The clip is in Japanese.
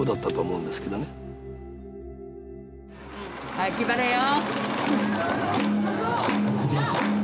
はい気張れよ！